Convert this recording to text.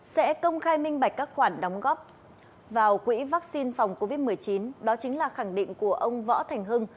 sẽ công khai minh bạch các khoản đóng góp vào quỹ vaccine phòng covid một mươi chín đó chính là khẳng định của ông võ thành hưng